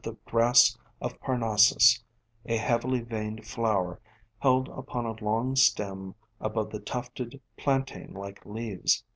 the Grass of Parnassus, a heavily veined flower, held upon a long stem above the tufted, plantain like leaves.